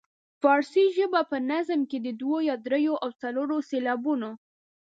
فارسي ژبې په نظم کې د دوو یا دریو او څلورو سېلابونو.